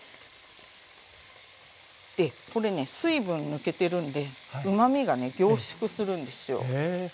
でこれね水分抜けてるんでうまみがね凝縮するんですよ。